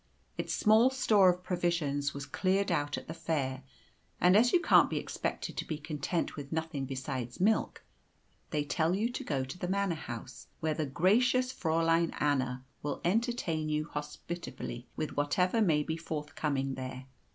Its small store of provisions was cleared out at the fair, and as you can't be expected to be content with nothing besides milk, they tell you to go to the Manor House, where the gracious Fräulein Anna will entertain you hospitably with whatever may be forthcoming there.